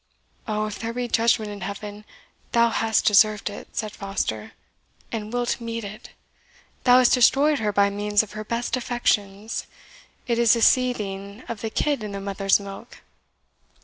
"Oh, if there be judgment in heaven, thou hast deserved it," said Foster, "and wilt meet it! Thou hast destroyed her by means of her best affections it is a seething of the kid in the mother's milk!"